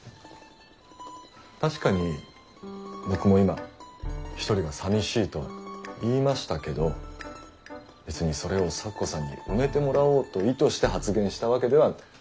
確かに僕も今一人が寂しいとは言いましたけど別にそれを咲子さんに埋めてもらおうと意図して発言したわけでは。